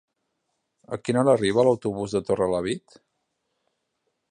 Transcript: A quina hora arriba l'autobús de Torrelavit?